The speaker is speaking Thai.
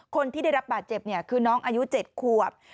คนที่ได้รับบาดเจ็บคือน้องอายุ๗ขวบ